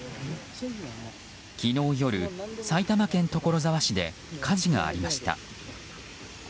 昨日夜、埼玉県所沢市で火事がありました。